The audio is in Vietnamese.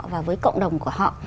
và với cộng đồng của họ